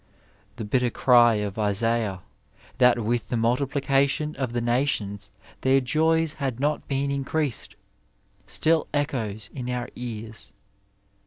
The bitter cry of Isaiah that with the mnltiplication of the nations their joys had not been increased, still echoes in our ears.